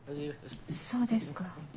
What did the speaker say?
そうですか。